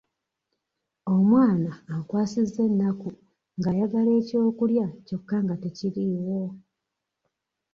Omwana ankwasizza ennaku ng'ayagala eky'okulya kyokka nga tekiriiwo.